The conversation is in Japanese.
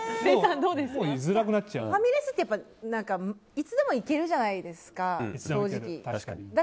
ファミレスっていつでも行けるじゃないですか、正直。